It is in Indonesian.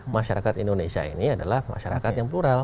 masyarakat indonesia ini adalah masyarakat yang plural